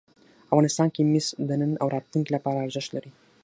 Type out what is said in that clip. افغانستان کې مس د نن او راتلونکي لپاره ارزښت لري.